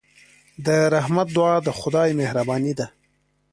د رحمت دعا د خدای مهرباني ده.